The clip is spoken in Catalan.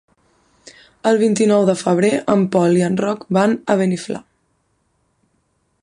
El vint-i-nou de febrer en Pol i en Roc van a Beniflà.